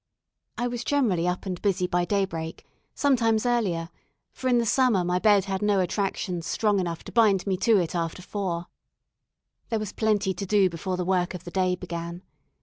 I was generally up and busy by daybreak, sometimes earlier, for in the summer my bed had no attractions strong enough to bind me to it after four. There was plenty to do before the work of the day began.